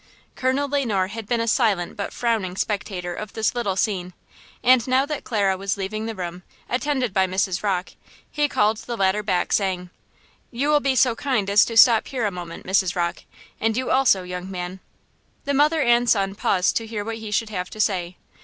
Colonel Le Noir had been a silent but frowning spectator of this little scene, and now that Clara was leaving the room, attended by Mrs. Rocke, he called the latter back, saying: "You will be so kind as to stop here a moment, Mrs. Rocke and you also, young man." The mother and son paused to hear what he should have to say.